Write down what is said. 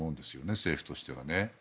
政府としてはね。